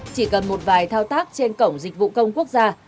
chỉ cần một vài thao tác trên cổng dịch vụ công quốc gia